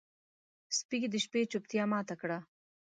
سپي د شپې چوپتیا ماته کړه.